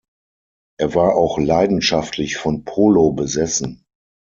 Er war auch „leidenschaftlich von Polo besessen“.